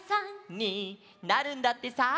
「になるんだってさ」